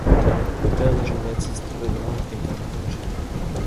Le père de Jean-Baptiste Lebrun est un boulanger.